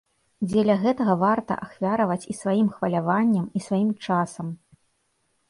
Дзеля гэтага варта ахвяраваць і сваім хваляваннем, і сваім часам.